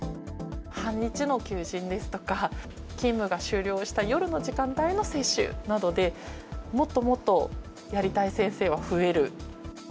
半日の求人ですとか、勤務が終了した夜の時間帯の接種などで、もっともっとやりたい先生は増える。